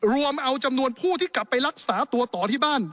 รวมเอาจำนวนผู้ที่กลับไปรักษาตัวต่อที่บ้าน